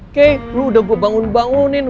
oke lo udah gua bangunin bangunin